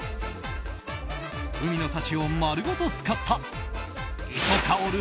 海の幸を丸ごと使った磯香る